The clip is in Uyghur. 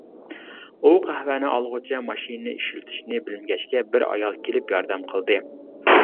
ئۇ قەھۋەنى ئالغۇچە ماشىنىنى ئىشلىتىشنى بىلمىگەچكە بىر ئايال كېلىپ ياردەم قىلدى.